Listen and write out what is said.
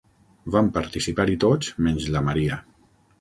Van participar-hi tots menys la Maria.